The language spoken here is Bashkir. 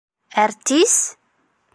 — Әртис?